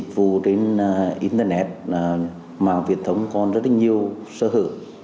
dù trên internet mà việt thống còn rất là nhiều sở hữu